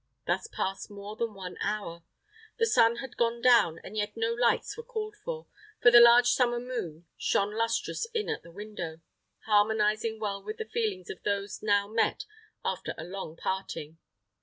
Thus passed more than one hour. The sun had gone down, and yet no lights were called for; for the large summer moon shone lustrous in at the window, harmonizing well with the feelings of those now met after a long parting.